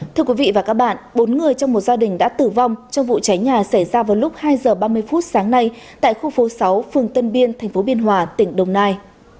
thưa quý vị và các bạn bốn người trong một gia đình đã tử vong trong vụ cháy nhà xảy ra vào lúc hai h ba mươi phút sáng nay tại khu phố sáu phường tân biên tp biên hòa tỉnh đồng nai